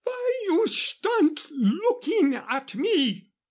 Vy you standt looking at me?"